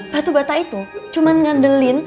batu bata itu cuma ngandelin